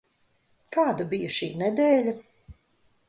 Kāda bija šī nedēļa?